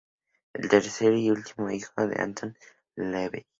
Fue el tercer y último hijo de Anton LaVey.